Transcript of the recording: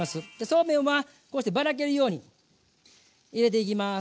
そうめんはこうしてばらけるように入れていきます。